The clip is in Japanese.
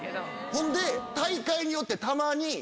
ほんで大会によってたまに。